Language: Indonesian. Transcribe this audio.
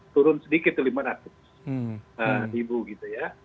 turun sedikit rp lima ratus gitu ya